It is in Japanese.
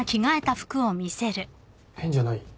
変じゃない？